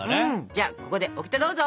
じゃあここでオキテどうぞ！